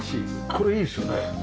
これいいですよね。